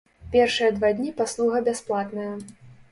Першыя два дні паслуга бясплатная.